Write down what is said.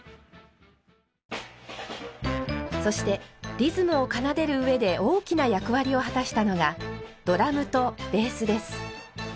そしてリズムを奏でる上で大きな役割を果たしたのがドラムとベースです。